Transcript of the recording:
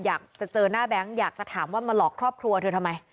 อยากจะเจอหน้าแบงค์อยากจะถามว่ามาหลอกครอบครัวเธอทำไม